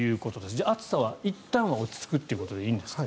じゃあ、暑さはいったんは落ち着くということでいいんですか？